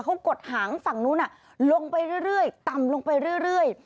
เขากดหางฝั่งนู้นลงไปเรื่อยต่ำลงไปเรื่อย